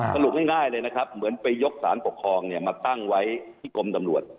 สรุปง่ายเลยนะครับเหมือนไปยกสารปกครองมาตั้งไว้ที่กรมตำรวจ